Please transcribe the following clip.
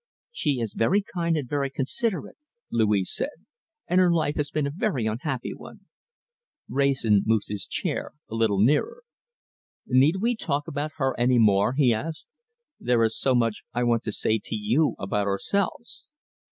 "She is very kind and very considerate," Louise said, "and her life has been a very unhappy one." Wrayson moved his chair a little nearer. "Need we talk about her any more?" he asked. "There is so much I want to say to you about ourselves."